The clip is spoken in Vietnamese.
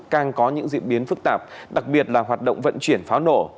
càng có những diễn biến phức tạp đặc biệt là hoạt động vận chuyển pháo nổ